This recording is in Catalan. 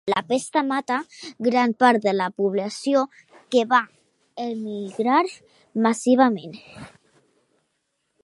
La pesta matà gran part de la població, que va emigrar massivament.